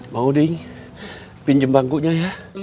mang oding pinjem bangkunya ya